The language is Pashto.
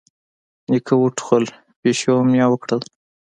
نيکه وټوخل، پيشو ميو کړل.